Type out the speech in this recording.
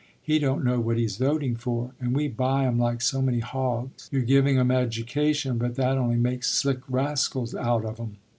He don't know what he's voting for, and we buy 'em like so many hogs. You're giving 'em education, but that only makes slick rascals out of 'em."